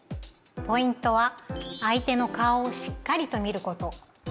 ポイントは相手の顔をしっかりと見ること。